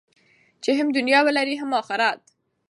چې هم دنیا ولرئ هم اخرت.